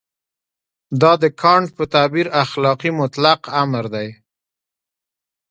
دا د کانټ په تعبیر اخلاقي مطلق امر دی.